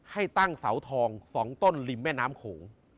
ให้ตั้งเสาทอง๒ต้นริมแม่น้ำโขง